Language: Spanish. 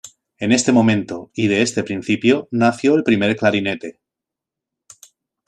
En este momento y de este principio nació el primer clarinete.